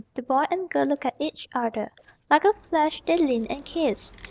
The boy and girl looked at each other.... Like a flash, they leaned and kissed.